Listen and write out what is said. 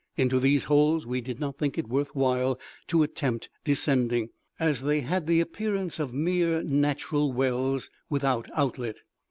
Into these holes we did not think it worth while to attempt descending, as they had the appearance of mere natural wells, without outlet.